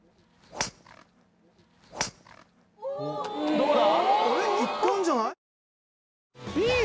どうだ？